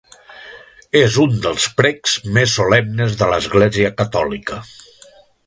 És un dels precs més solemnes de l'Església catòlica.